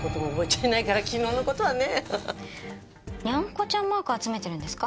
にゃんこちゃんマーク集めてるんですか？